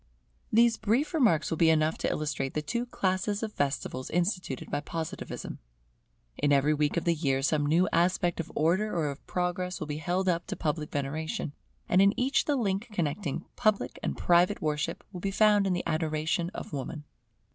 These brief remarks will be enough to illustrate the two classes of festivals instituted by Positivism. In every week of the year some new aspect of Order or of Progress will be held up to public veneration; and in each the link connecting public and private worship will be found in the adoration of Woman.